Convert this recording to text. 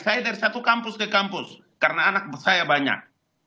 saya dari satu kampus ke kampus karena anak saya banyak